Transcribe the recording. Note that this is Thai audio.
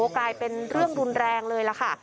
กลายเป็นเรื่องรุนแรงเลยล่ะค่ะ